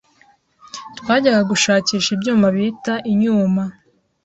Twajyaga gushakisha ibyuma bita inyuma